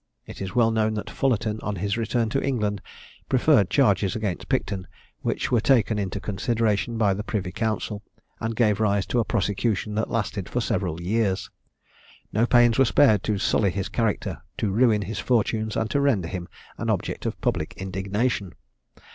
It is well known that Fullarton, on his return to England, preferred charges against Picton, which were taken into consideration by the Privy Council, and gave rise to a prosecution that lasted for several years. No pains were spared to sully his character, to ruin his fortunes, and to render him an object of public indignation.